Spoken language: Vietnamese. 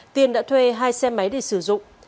tiên đã thuê hai xe máy để sử dụng